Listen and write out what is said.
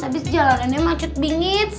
habis jalanannya macet bingit